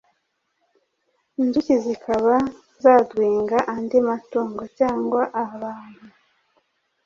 inzuki zikaba zadwinga andi matungo cyangwa abantu.